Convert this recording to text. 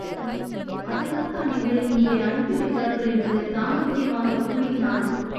அதனால்தான் எங்களை இங்கே அனுப்பி வைத்தார்கள் என்று சாமர்த்தியமாகப் புளுகினாள்.